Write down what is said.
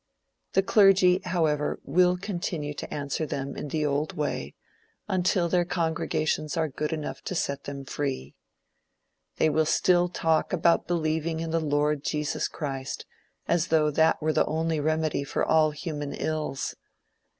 The clergy, however, will continue to answer them in the old way, until their congregations are good enough to set them free. They will still talk about believing in the Lord Jesus Christ, as though that were the only remedy for all human ills.